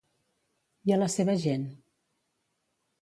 I a la seva gent?